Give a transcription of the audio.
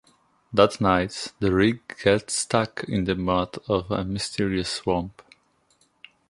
That nights, the Rig gets stuck in the mud of a mysterious swamp.